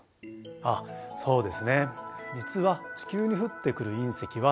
あっそうですね。